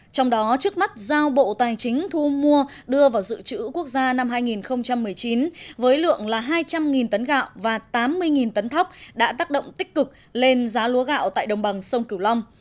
trong đó trước mắt giao bộ tài chính thu mua đưa vào dự trữ quốc gia năm hai nghìn một mươi chín với lượng hai trăm linh tấn gạo và tám mươi tấn thóc đã tác động tích cực lên giá lúa gạo tại đồng bằng sông cửu long